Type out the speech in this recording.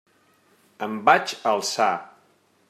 Em vaig alçar.